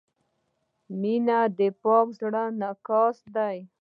• مینه د پاک زړۀ انعکاس دی.